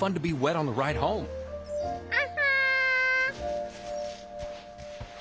アハ。